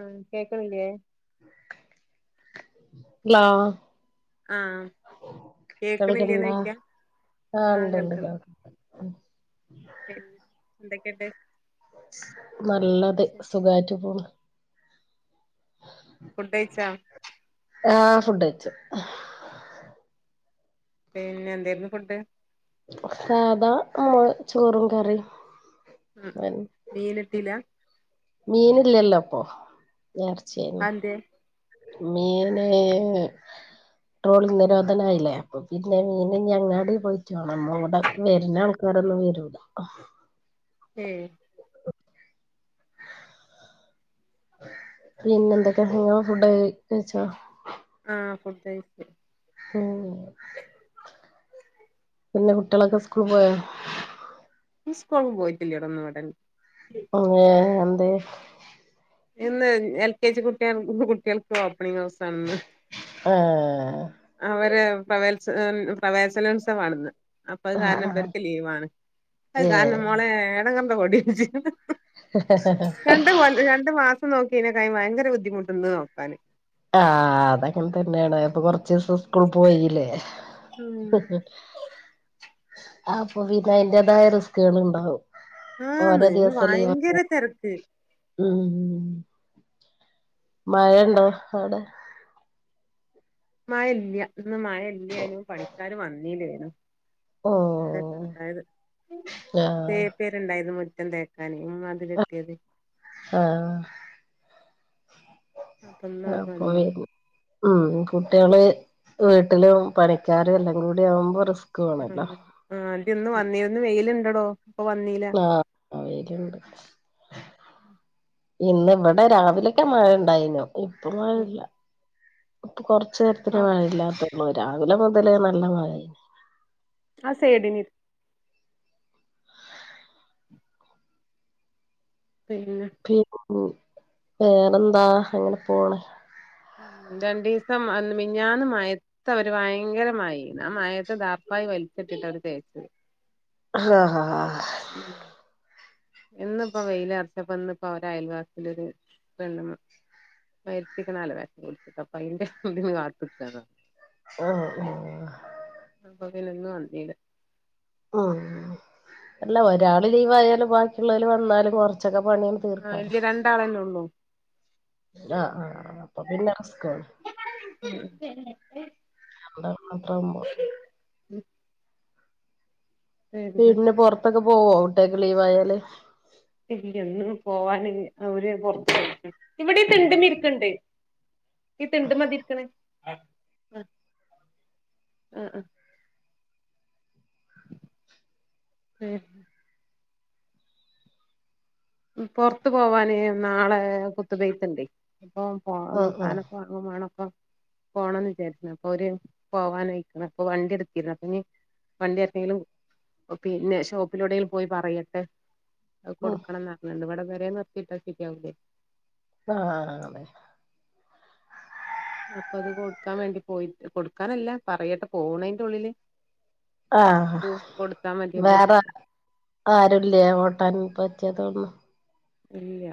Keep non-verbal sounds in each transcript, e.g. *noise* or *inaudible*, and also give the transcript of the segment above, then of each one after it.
ആഹ് കേക്കനില്ലേ ഹലോ ആഹ് കേക്കണില്ലേന്ന് കേൾക്കണ്ടോ ചോയ്ക്കാ ആഹ് ഉണ്ട്ണ്ട് കേൾക്ക എന്തൊക്കെയണ്ട് നല്ലത് സുഖാറ്റു പോണ് ഫുഡ് കയിച്ചാ? ആഹ് ഫുഡ് കഴിച്ചു പിന്നെ എന്താരുന്നു ഫുഡ് സാധാ നമ്മളെ ചോറും കറിം ഉം ഉം മീൻ ഇട്ടീല മീനില്ലല്ലോ ഇപ്പൊ എർച്ചയ്നിം അതെന്തേ മീന് ട്രോളിംഗ് നിരോധനായില്ലേ അപ്പൊ പിന്നെ മീനിനി അങ്ങാടി പോയിട്ടുണം അമ്മവിടെ വരുന്ന ആൾക്കാരെന്നും വരു ഏഹ് പിന്നെന്തൊക്കെ നിങ്ങ ഫുഡൊക്കെ കഴിച്ചോ ആഹ് ഫുഡഴിച് *unintelligible* പിന്നെ കുട്ടികളൊക്കെ സ്കൂൾ പോയോ ഇന്ന് സ്കൂൾ പോയിട്ടില്ലെടോ ഇന്ന് ഇവിടെ ഉണ്ട് ങേ എന്തേ ഇന്ന് എൽ കെ ജി കുട്ടൾ കുട്ടികൾക്ക് ഓപ്പണിംഗ് ഹൗസ് ആണിന്ന് ആഹ് അവര് പ്രവേത്സ പ്രവേശനോത്സവാണിന്ന് അപ്പ അത് കാരണം ആഹ് ഇവര്ക്ക് ലീവാണ് അത് കാരണം ഏഹ് മോളേ എടങ്ങർന്റെ കൊടി രണ്ട് കൊ രണ്ട് മാസം നോക്കിതിനേക്കായും ഭയങ്കര ബുദ്ധിമുട്ട്ണ്ട് നോക്കാൻ ആഹ് അതങ്ങനെ തന്നെണ് ഇപ്പൊ കൊറച്ചീസം സ്കൂൾ പോയില്ലേ ഉം ആപ്പൊ പിന്നെ അതിന്റേതായ റിസ്‌കെള്ണ്ടാവും ഓരോ ദിവസം ലീവ *unintelligible* തെരക്ക് ഉം മയണ്ടോ അവടെ മയല്ല്യാ ഇന്ന് മഴ ഇല്ല്യാനു പണിക്കാര് വന്നീല്ല്യാനും അതാപ്പം ഓഹ് ഉണ്ടായത് *unintelligible* ആഹ് ണ്ടായിരുന്നു മുറ്റം തേക്കാന് ഉം മതില് കെട്ടിയത് ആഹ് അപ്പൊ ഇന്ന് അവര് വന്നീല്ല *unintelligible* ഉം കുട്ട്യേള് വീട്ടിലും പണിക്കാര് എല്ലാം കൂടി ആവുമ്പോ റിസ് ആ ആ അതിന്ന് വന്നീന്ന് വെയില് ഇണ്ടടോ ഇപ്പ വന്നീ ആഹ് ആ വെയ്‌ലിണ്ട് ഇന്ന് ഇവടെ രാവിലെക്കെ മഴ ഉണ്ടായിനു ഇപ്പ മഴല്ല ഇപ്പൊ കൊറച്ച് നേരത്തിന് ആഹ് മഴല്ലാത്ത് രാവിലെ മുതലേ നല്ല മഴ ആ സെയ്ഡിന് പിന്നെ പിന്നെ വേറെന്താ അങ്ങന പോണ്‌ ഉം രണ്ടീസം മ മിഞ്ഞാന്ന് മഴ ത്ത അവര് വയങ്കരമയേന്ന് ആ മയേത്ത് ദാർപ്പായി വലിച്ചട്ടിട്ട് അവര് തേച്ചത് ആഹ് ഹഹ ഉം ഇന്ന്പ്പോ വെയ്ലർച്ചപ്പോ ഇന്ന് ഇപ്പോ അവരെ അയൽവാസിലൊരു പെണ്ണ് *unintelligible* ആഹ് ആഹ് അപ്പൊപിന്നെ ഇന്ന് വന്നീല ഉം അല്ല ഒരാള് ലീവ് ആയാലും ബാക്കിള്ളോല് വന്നാലും കൊർച്ചൊക്കെ പണി ആ ഇല്ല്യ രണ്ടാളല്ലൊള്ളൂ ആഹ് ആഹ് ആഹ് അപ്പൊ പിന്നെ റിസ്ക്കാണ് *unintelligible* രണ്ടാള് മാത്രാവുമ്പോ ഇല്ല പിന്നെ പൊർത്തൊക്കെ പോവോ ട്ട്യാൾക്ക് ലീവായാല് ഇല്ല്യ ഇന്ന് പോവാന് അവര് പൊർത്ത് ഇവിടെ തിണ്ടിമേ ഇരിക്ക്ണ്ട് ഈ തിണ്ട്മത ഇരിക്കിണ് ആഹ് ആഹ് ഏഹ് ഉം പൊർത്തു പോവാന് നാളെ കുത്തുബെയ്ത്ണ്ടേ അപ്പൊ പോവാന് ആഹ് ആഹ് സാനം ഒക്കെ വാ *unintelligible* മാണപ്പൊ പോണംന്ന് വിചാരിചിന് അപ്പൊ ഓര് പോവാനായ്ക്ക്ണ് അപ്പൊ വണ്ടി ഇട്ത്തിര്ന്ന് അപ്പൊ ഇനി വണ്ടി ആർക്കേലും പിന്നെ ഷോപ്പിലൂടേലും പോയി പറയട്ടെ അത് ഉം കൊടുക്കണംന്ന് പറഞ്ഞെന്നു ഇവടെ വരെ നിർത്തിട്ടാ ശരിയാവൂലെ. ആഹ് അതെ. അപ്പൊ അത് കൊടുക്കാൻ വേണ്ടി പോയി കൊടുക്കാനല്ല പറയട്ടെ പോണേന്റെ ഉള്ളില് ആഹ് ത് കൊടുത്താ മതിയല്ലോച്ച്ട്ടാ ആരൂല്ലേ ഓട്ടാൻ പറ്റിയതൊന്നും ഇല്ല്യ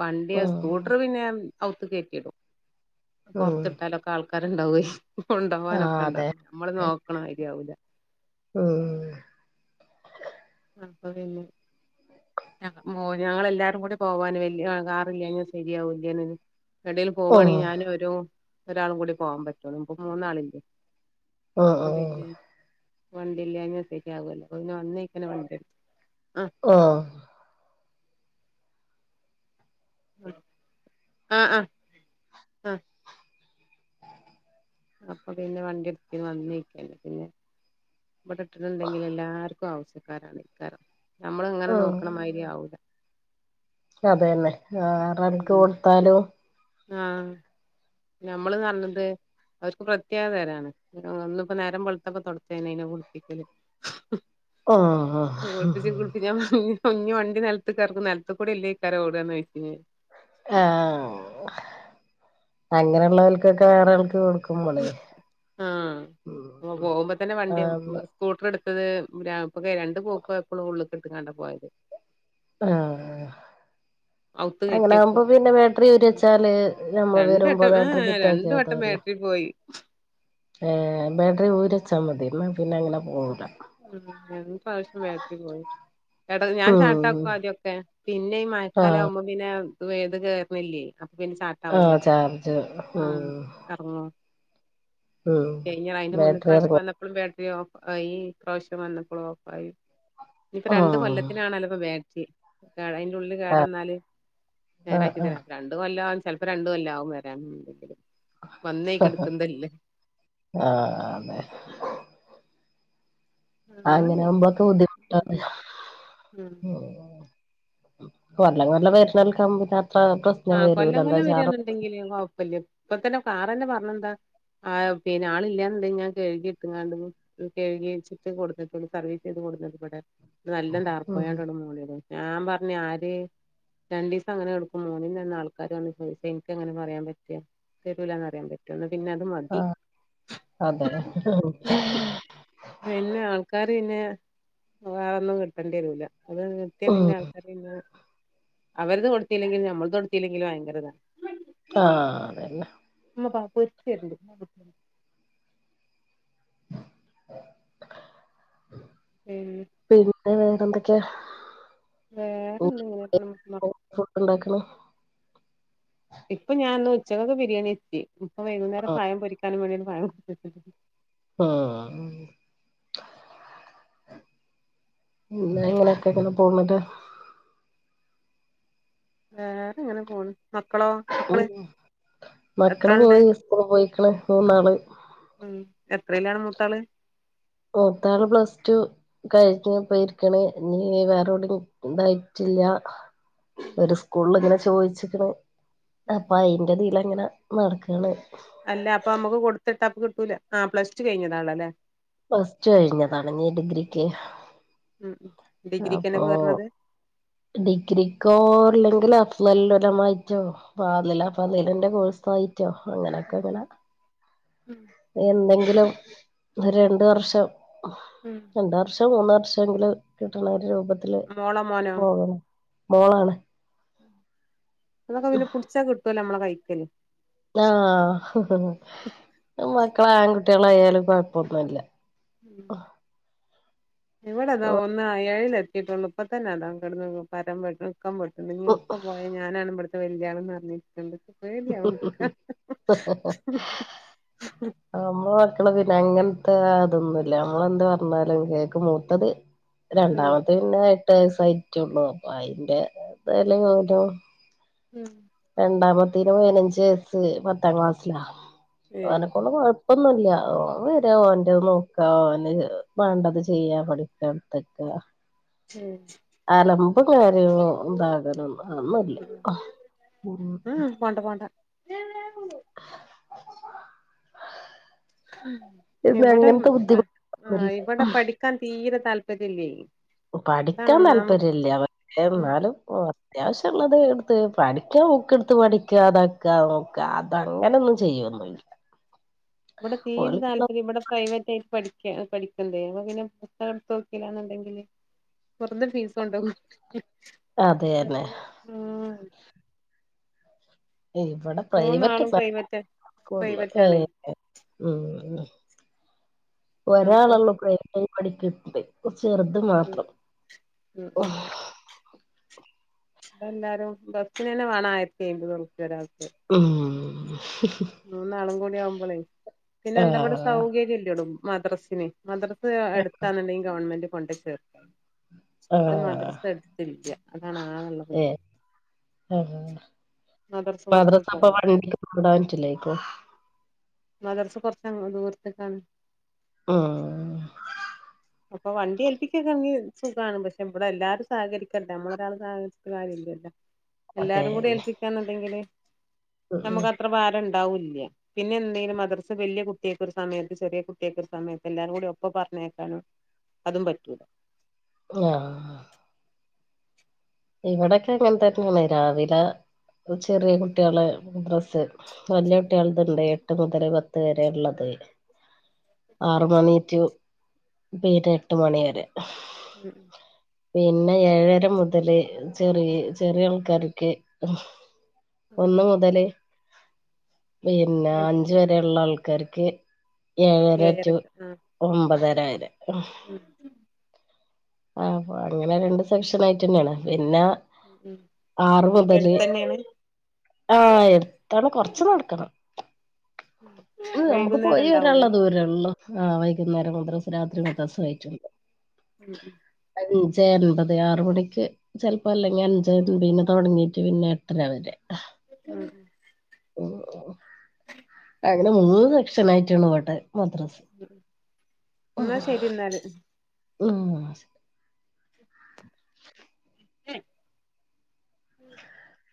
വണ്ടിയാ ഉം സ്കൂട്ടർ പിന്നെ ഞാൻ അൗത്ത്ക്ക്‌ കേറ്റിടും. ഉം പൊർത്തിട്ടാലൊക്കെ ആൾക്കാരുണ്ടാവെയ്യ് ആഹ് കൊണ്ടേവാനൊക്കെ അതെ ഉണ്ടാവും നമ്മള് നോക്കണമാരി ആവൂല. ഉം അപ്പൊ പിന്നെ ഞങ്ങ മോന് ഞങ്ങള് എല്ലാരും കൂടി പോവാന്. വല്യ കാറില്ലേന ശരിയാവൂല്ലേനേന്നും ഏടേലും ഓഹ് പോവാണെങ്കിൽ, ഞാനും ഒരു ഒരാളും കൂടി പോവാൻ പറ്റുള്ളൂ. ഇപ്പം മൂന്നാളില്ലേ ഓഹ് അപ്പൊ, ഓഹ് പിന്നെ വണ്ടില്ലാഞാ ശരിയാവൂല്ല. അപ്പൊ പിന്നെ വന്നേ അങ്ങനെ വണ്ടിട്ത്ത്. ആഹ് ഓഹ്. ആഹ് ആഹ് അപ്പൊ പിന്നെ വണ്ടിട്ത്തീനു വന്നേയ്ക്കന്നെ പിന്നെ ഇവടെ ഇട്ടിട്ടുണ്ടെങ്കിൽ എല്ലാർക്കും ആവ്സ്യക്കാരാണേക്കാരം. നമ്മള് ഇങ്ങനെ നോക്കണമാതിരി ആവൂല അതെന്നെ വേറാര്ക്ക് ഉം കൊടുത്താലും ആഹ് ഞമ്മള് ന്നർഞ്ട്ട് അവർക്ക് പ്രത്യേക തരാണ്. ന്ന്പ്പോ നേരം വെൾത്തപ്പം തൊട്ത്തീണ് അയിനെ കുളിപ്പിക്കല് ഉം കുളിപ്പിച്ച് കുളി *unintelligible* ഞ്ഞ് വണ്ടി നെൽത്ത് കെറ്ക്കും. നെൽത് കൂടി അല്ലെയ്ക്കാരം ഓടാന്ന് ചോയ്ക്കും ഞാൻ ആഹ്. അങ്ങനെള്ളവർക്കൊക്കെ, വേറെ ആൾക്ക് കൊടുക്ക ആഹ് പോകുമ്പോ തന്നെ വണ്ടി ആന്ന് സ്കൂട്ടർ എടുത്തത് രാ ഇപ്പൊക്കെ, രണ്ടു പോക്ക് പൊയപ്പളും ഉള്ള്ക്ക് ഇട്ട് കാണ്ടാ പോയത്. ആഹ് അവുത്ത് അങ്ങനെ കയറ്റി ആകുമ്പോ, വെക്കും പിന്നെ ബാറ്ററി ഊരി വെച്ചാല്. നമ്മൾ വരുമ്പോ ബാറ്ററി ഫിറ്റ് ആക്കിതാല്ലോ. രിപോയി ഏഹ്. ബാറ്ററി ഊരി ച്ചാൽ മതി. ന്നാ പിന്നെ അങ്ങനെ പോവൂല. ഉം. രണ്ട് പ്രാവശ്യം ബാറ്ററി പോയി. എട ഞാൻ ഉം ചാട്ടാക്കും ആദ്യ ഒക്കെ. പിന്നെ ഈ മഴക്കാല ആഹ് ആവുമ്പോ, പിന്നെ വേത് കേറ്ണില്ലേ, അപ്പൊ പിന്നെ ചാ ആഹ് ചാർജ് മം ആഹ്. കയിഞ്ഞറാ, അതിന്റെ മുന്നത്തെ ബാറ്ററി പ്രാവശ്യം ഇറങ്ങും വന്ന പ്പളും ബാറ്ററി ഓഫ് ആയി. ഇ പ്രാവശ്യം വന്നപ്പോളും ഓഫ് ആയി. ഞിപ്പോ, രണ്ട് ഉം കൊല്ലത്തിനാണല്ലോ ഇപ്പോ ബാറ്റ്റി. ആഹ് കേട്, അതിന്റെറെ ഉള്ളില് ആഹ് കേടന്നാല് ആഹ് നേരാക്കി ആഹ് തരാം രണ്ട് കൊല്ലാ, ചിലപ്പോ രണ്ട് കൊല്ലാവും വരാൻ. വന്നേക്ക് എടുക്കുന്നല്ലേ ആഹ് അതെ അങ്ങനെ പോവും അങ്ങനൊവുമ്പോക്കെ ബുദ്ധിമുട്ട ഉം ഉം കൊല്ലം കൊല്ലം വെര്ന്നോൽക്കാവുമ്പോ ഇത് അത്ര പ്രശ് ആഹ് കൊല്ലം കൊല്ലം വരാന്നുണ്ടെങ്കില് കുഴപ്പല്ല്യാ. ഇപ്പ തന്നെ സാറന്നെ പറഞ്ഞെന്താ ആഹ്, പിന്നെ ആള് ഇല്ലാന്ന്ണ്ടെങ്കിൽ, ഞാൻ കഴുകിട്ട്ങ്ങാണ്ട് കേഴ്കി വച്ചിട്ട് കൊട്‌ന്ക്ക്ണ്. സർവീസ് ചെയ്ത് കൊട്ന്ന്ണ് പടെ നല്ല ഉം താർപായോണ്ട്ട് മൂടിടും. ഞാൻ പറഞ് ആര് രണ്ടിസം അങ്ങനെ കെട്ക്കു മൂന്നിന്റെ അന്ന് ആൾക്കാരവന്ന് ചോദിച്ചാ, ഇൻക്കെങ്ങനെ പറയാൻ പറ്റാ. തരൂലാന്ന് പറിയാൻ പ റ്റോ, ന്നാ പിന്നെ അത് മതി. ആഹ് അതെ പിന്നെ ആൾക്കാര് പിന്നെ. വേറെന്നും കിട്ടേണ്ടി വരൂല. അത് കിട്ടിയ ഉം പിന്നെ ആൾക്കാർ പിന്നെ അവർത് കൊടുത്തില്ലെങ്കിലും. ഞമ്മൾത് കൊടുത്തില്ലെങ്കിലും ഭയങ്കര താ ആഹ് അതന്നെ മ്മ പാ പ്പൊരിച്ചര്ണ്ട്. മം പിന്നെ വേറെ എന്തൊക്കെ? വേറെന്താ ഇങ്ങനെ *unintelligible* പോണ് ഫുഡ് ണ്ടാക്ക്ണ്? ഇപ്പൊ ഞാൻന്ന് ഉച്ചകക്ക് ബിരിയാണി വെച്ച്. ഇപ്പ വൈകുന്നേരം ആഹ് പഴം പൊരിക്കാൻ വേണ്ടിയാണ്ട് പഴം കൊടു ആഹ് പിന്നെ എങ്ങനെയൊക്കെയ ഇങ്ങനെ പൊന്ന്ട്ട് ആകെങ്ങനെ പോണ് മക്കളോ? മം മക്കള് എത്ര മക്കള് ആളുണ്ട് പോയി, സ്കൂള് പോയിക്ണ് മൂന്നാള് ഉം എത്രയിലാണ് മൂത്താള്? മൂത്താള് പ്ലസ് ടു കഴിഞ്ഞപ്പോ ഇരിക്ണ് ഇഞ്ഞ് വേറെവ്ടിം ഇതായിട്ടില്ല ഒരു സ് സ്കൂളിൽ ഇങ്ങനെ ചോദിച്ചിക്ണ് അപ്പൊ അയിന്റെ ഇതിൽങ്ങനെ നടക്കാണ് അല്ല അപ്പൊ നമ്മുക്ക് കൊടുത്തിട്ടാപ്പോ കിട്ടൂല ആഹ് പ്ലസ്ട്ടു കഴിഞ്ഞതാണ അല്ലേ പ്ലസ് ടു കഴിഞ്ഞതാണ് ഇനി ഡിഗ്രിക്ക് ഉം ഉം ഡിഗ്രിക്കന്നെ അപ്പൊ കേറണത് ഡിഗ്രിക്കോ അല്ലെങ്കിൽ അഫ്ളൽ ഹുലമായിറ്റോ? ഫാളില ഫള്ലിന്റെ കോഴ്സായിറ്റോ അങ്ങനെക്കെങ്ങനെ എന്തെങ്കിലും ഒരു രണ്ട് വർഷം ഉം രണ്ട് വർഷം മൂന്ന് വർഷമെങ്കിലും കിട്ട്ണ ഒരു രൂപത്തില് മോളോ മോനോ പോകണം മോളാണ് അതൊക്കെ പിന്നെ പുടിച്ചാ കിട്ടുവല്ലോ നമ്മളെ കൈക്കല് ആഹ് അഹ് മക്കള് ആൺകുട്ടികളായാലും കൊഴപ്പൊന്നുല്ല ഉം ഇവടെതാ ഒന്ന് ഏഴിലെത്തി യിട്ടൊള്ളൂ ഇപ്പ തന്നെ അതാ കെടന്ന് പരാൻ വെട്ട്ണ് ഇക്കം വെണ്ട് ണ് ഇഞ്ഞ് ഇപ്പ പോയ ഞാനാണ് ഇബട്‌ത്തെ വല്ല്യാള്ന്നറ്ഞ്ഞിരിക്ക്ണ്ട് ഇച്ച്‌ പേടിയാവ്ണ്ട് കേട്ടപ്പോ ആഹ് നമ്മളെ മക്കള് പിന്നെ അങ്ങൻത്തെ ആ അതൊന്നും ഇല്ല നമ്മളെന്ത് പറഞ്ഞാലും കേക്കും മൂത്തത് രണ്ടാമത്തെ പിന്നെ എട്ട് വയസ്സായിറ്റൊള്ളൂ അപ്പൊ അതിന്റെ വല്ല്യ ഗൗരവും ഉം രണ്ടാമത്തേന് പതിനഞ്ച് വയസ്സ് പത്താം ക്ലാസ്സിലാ ഏയ് ഓനെ കൊണ്ട് കൊഴ പ്പൊന്നുല്ല ഓൻ വരാ ഓന്റെത് നോക്കാ ഓന് വേണ്ടത് ചെയ്യാ പഠിക്ക എടുത്തെക്ക ഉം അലമ്പും കാര്യങ്ങളോ ആ സാധനൊന്നും ഒന്നുല്ല്യ ഉം പോണ്ടാ പോണ്ട പിന്നെ ഇവടെ അങ്ങനത്തെ ആഹ് ബുദ്ധിമുട്ടൊന്നുല്ല ഇബടെ പഠിക്കാൻ തീരെ താല്പര്യ ഇല്ലയിന് പഠിക്കാൻ താല്പര്യല്ല്യ പക്ഷേ ഉം ഇന്നാലും അത്യാവിശ്യള്ളത് എടുത്ത് പഠിക്ക്ണ ബുക്ക് എടുത്ത് പഠിക്ക ഇതാക്കാ നോക്ക അതങ്ങനൊന്നും ചെയ്യൊന്നുല്ല ഇബടെ തീരിം ഓൽക്ക് താല്പര്യംല്ല ഇവടെ പ്രൈവറ്റായി ട്ടാ പഠിക്ക പഠിക്ക്ണതേ അപ്പ പിന്നെ പുസ്തകം എടുത്ത് നോക്കിലാന്നുണ്ടെങ്കില് വെറുതെ ഫീസ് കൊണ്ടോയി കൊട്ക്കല്ലേ ആഹ് അതന്നെ അതാണ് ആഹ് ഇവടെ മൂന്നാളും പ്രൈവറ്റൊന്നുവല്ല പ്രൈവറ്റ് സ്കുളില് പ്രൈവറ്റ് ആണേ ഏഹേ ഉം അപ്പൊ ഒരാളൊള്ളു പ്രവറ്റില് പടിക്ക്ന്നത് ചെറുത് ഉം മാത്രം ഉം ഇപ്പെന്തായാലും ബസ്സിനന്നെ മാണം ആയിരത്തി എയ്ന്നൂറിപ്ല്യ ഒരാക്ക് ഉം മൂന്നാളും കൂടി ആവുമ്പളേ പിന്നെ എന്താ ഇബടെ ആഹ് സൗകര്യം ഇല്ലടോ മദ്രസിന് മദ്രസ് അടുത്താന്നുണ്ടെങ്കിൽ ഗവൺമെന്റ് കൊണ്ടോയി ചേർത്തിയ ഇത് ആഹ് മദ്രസ എടുത്തില്ല അതാണ് ആകെള്ള ബുദ്ധിമു ഏഹ് ആഹ് മദ്രസ് കൊറച്ച് മദ്രസപ്പൊ പോണം വണ്ടിക്ക് കൊണ്ടോവാൻ പറ്റൂല്ലേക്കും? മദ്രസ് കൊറച്ച് അങ്ങ് ദൂരത്ത്ക്കാണ് ഉം അപ്പൊ വണ്ടി ഏൽപ്പിക്കെക്കേണെങ്കി സുഖാണ് പക്ഷെ ഇവടെ എല്ലാരും സഹകരിക്കണ്ടെ നമ്മളൊരാള് സഹരിക്ക കാര്യല്ലല്ലോ എല്ലാരും കൂടി അതേന്നെ ഏൽപ്പിക്കാന്ന്ണ്ടെങ്കില് ഉം നമുക്കത്ര ഭാര ഇണ്ടാവൂല്ല്യ പിന്നെ എന്തേനു മദർസ് വല്ല്യ കുട്ടിയക്ക് ഒരു സമയത്ത് ചെറിയ കുട്ടിയേക്ക് ഒരു സമയത്ത് എല്ലാരും കൂടി ഒപ്പം പറഞ്ഞേക്കാനും അതും പറ്റൂല ങ്ങാ ഇവടെക്കെ അങ്ങനെത്തന്നെയാണ് രാവിലെ ചെറിയ ഉം കുട്ടികളെ മദ്രസ്സ് വല്ല്യ കുട്ടിയൾത്ണ്ട് എട്ട് മുതല് പത്ത് വരെ ഇള്ളത് ആറ് മണി റ്റു വൈകിട്ട് എട്ട് മണി വരെ ഉം പിന്നെ ഏഴര മുതല്. ചെറിയ ചെറിയ ആൾക്കാർക്ക്. ഉം ഒന്ന് ഉം മുതല് പിന്നെ വരില്ല അഞ്ചു വരെ ഉള്ള ആൾക്കാർക്ക് ഏഴര- റ്റു ഏഴരക്ക് ആ ഒമ്പതര വരെ. *inaudible* ആ, അങ്ങനെ രണ്ട് സെക്ഷൻ ആയിട്ട് തന്നെയാണ് പിന്നെ ഉം ആറു മുതല്. എടുത്തന്നെയാണ് ആ, എത്ര കൊറച്ച് നടക്കണം. നമുക്ക് വൈകുന്നേരം പോയി വരാനുള്ള ഉണ്ടാവൂലേ ദൂരേ ഉള്ളൂ. അ, വൈകുന്നേരം മദ്രസ, രാത്രി മദ്രസ വായിച്ചു കൊടുക്കാം. ഉം ഉം അഞ്ച് അൻപത്, ആറ് മണിക്ക് ചെലപ്പോ അല്ലെങ്കിൽ അഞ്ച അൻപതിന് തുടങ്ങിട്ടു പിന്നെ എട്ടര വരെ ഉം *inaudible* ഓഓ *inaudible* അങ്ങനെ മൂന്ന് സെക്ഷനയിട്ടാണ് വോട്ട്. എന്നാ ശരി എന്നാല്. ആ *inaudible* ഉം *inaudible*